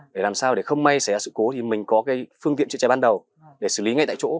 để làm sao để không may xảy ra sự cố thì mình có cái phương tiện chữa cháy ban đầu để xử lý ngay tại chỗ